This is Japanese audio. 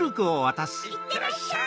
・いってらっしゃい！